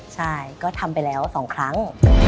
ใช่ก็ทำไปแล้ว๒ครั้ง